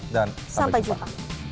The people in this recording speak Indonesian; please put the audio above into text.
dan sampai jumpa